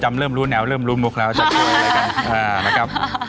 ใช่แต่ผมจะบอกว่า